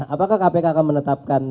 apakah kpk akan menetapkan